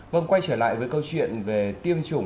vâng quay trở lại với câu chuyện về tiêm chủng